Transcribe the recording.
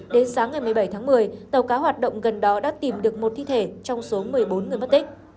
đến sáng ngày một mươi bảy tháng một mươi tàu cá hoạt động gần đó đã tìm được một thi thể trong số một mươi bốn người mất tích